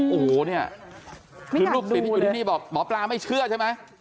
หรวกซิอยู่ที่นี่เบาะปลาไม่เชื่อใช่มั้ย